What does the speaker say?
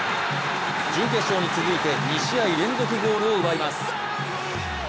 準決勝に続いて２試合連続ゴールを奪います。